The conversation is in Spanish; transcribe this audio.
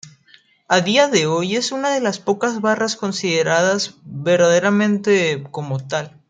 A día de hoy es una de las pocas barras consideradas verdaderamente como tal.